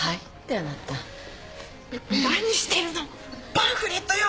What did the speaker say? パンフレットよ。